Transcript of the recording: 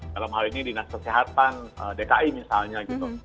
dalam hal ini dinas kesehatan dki misalnya gitu